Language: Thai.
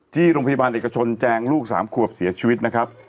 โรงพยาบาลเอกชนแจงลูก๓ขวบเสียชีวิตนะครับ